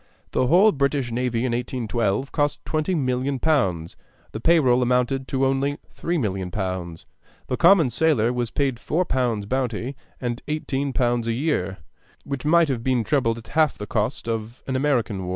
The whole British navy in 1812 cost 20,000,000 pounds; the pay roll amounted to only 3,000,000 pounds; the common sailor was paid four pounds bounty and eighteen pounds a year, which might have been trebled at half the cost of an American war.